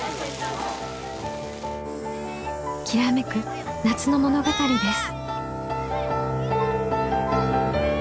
きらめく夏の物語です。